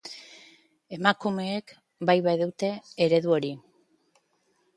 Emakumeek bai badute eredu hori.